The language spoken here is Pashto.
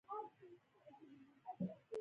هغه به له خپلو ملګرو سره دلته ناستې کولې.